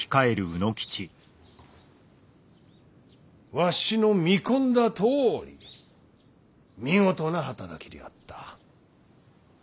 わしの見込んだとおり見事な働きであった。